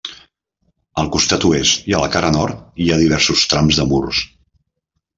Al costat oest i a la cara nord hi ha diversos trams de murs.